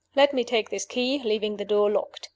Let me take this key, leaving the door locked.